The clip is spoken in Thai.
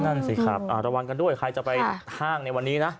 นั่นสิครับระวังกันด้วยใครจะไปห้างในวันนี้นะ